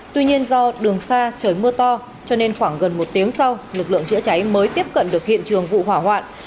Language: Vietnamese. tuy nhiên do đường xa trời mưa to cho nên khoảng gần một tiếng sau lực lượng chữa cháy mới tiếp cận được hiện trường vụ hỏa hoạn